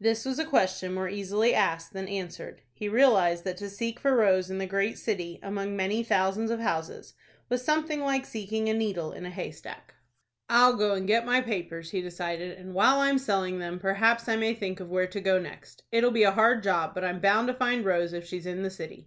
This was a question more easily asked than answered. He realized that to seek for Rose in the great city, among many thousands of houses, was something like seeking a needle in a haystack. "I'll go and get my papers," he decided, "and while I am selling them, perhaps I may think of where to go next. It'll be a hard job; but I'm bound to find Rose if she's in the city."